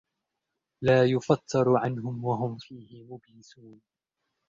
لَا يُفَتَّرُ عَنْهُمْ وَهُمْ فِيهِ مُبْلِسُونَ